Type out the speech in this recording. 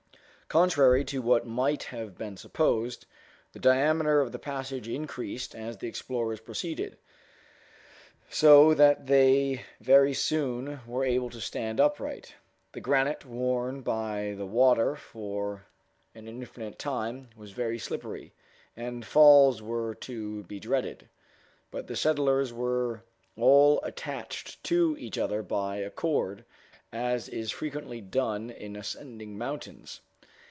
Contrary to what might have been supposed, the diameter of the passage increased as the explorers proceeded, so that they very soon were able to stand upright. The granite, worn by the water for an infinite time, was very slippery, and falls were to be dreaded. But the settlers were all attached to each other by a cord, as is frequently done in ascending mountains.